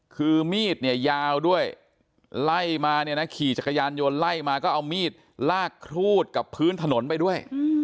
คือมีดยาวด้วยขี่จักรยานยนต์ไล่มาก็เอามีดลากครูดกับพื้นถนนไปด้วย